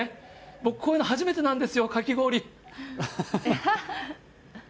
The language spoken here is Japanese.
僕、こういうの初めてなんですよ、かき氷。